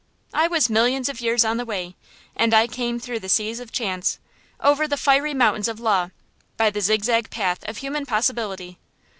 I was millions of years on the way, and I came through the seas of chance, over the fiery mountain of law, by the zigzag path of human possibility.